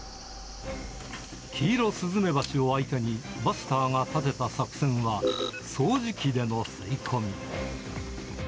キイロスズメバチを相手に、バスターが立てた作戦は、掃除機での吸い込み。